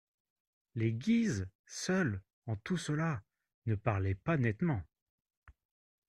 Les Guises, seuls, en tout cela, ne parlaient pas nettement.